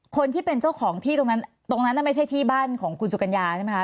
คนที่เป็นเจ้าของที่ตรงนั้นตรงนั้นน่ะไม่ใช่ที่บ้านของคุณสุกัญญาใช่ไหมคะ